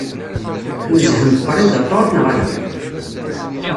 Tnezzhemt Predator neɣ ala?